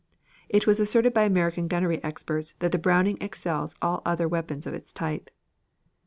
It was asserted by American gunnery experts that the Browning excels all other weapons of its type.